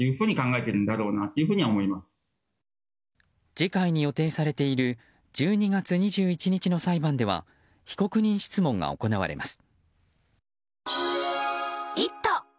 次回に予定されている１２月２１日の裁判では被告人質問が行われます。